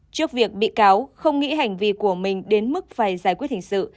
trước việc bị cáo không nghĩ hành vi của mình đến mức phải giải quyết hình sự